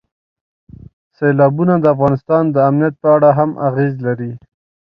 سیلابونه د افغانستان د امنیت په اړه هم اغېز لري.